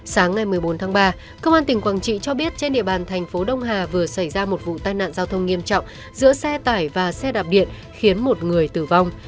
sáng ngày một mươi bốn tháng ba công an tỉnh quảng trị cho biết trên địa bàn thành phố đông hà vừa xảy ra một vụ tai nạn giao thông nghiêm trọng giữa xe tải và xe đạp điện khiến một người tử vong